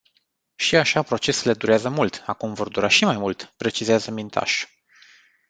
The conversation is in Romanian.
Și așa procesele durează mult, acum vor dura și mai mult, precizează Mintaș.